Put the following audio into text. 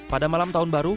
pada malam tahun baru